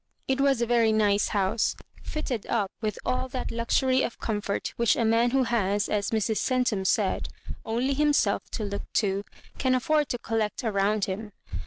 It was a very nice house, fitted up with all that luxury of comfort which a man who has, as Mrs. Centum said, "only himself to look to," can afford to collect around him.